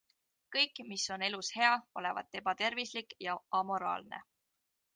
Kõik, mis on elus hea, olevat ebatervislik ja amoraalne.